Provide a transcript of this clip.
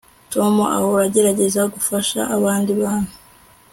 tom ahora agerageza gufasha abandi bantu